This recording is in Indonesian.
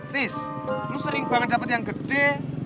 tis lu sering banget dapat yang gede